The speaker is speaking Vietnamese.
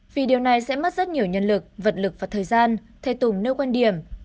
vì điều này sẽ mất rất nhiều nhân lực vật lực và thời gian thầy tùng nêu quan điểm